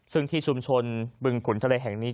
ซึ่งที่ชุมชนบึงขุนทะเลแห่งนี้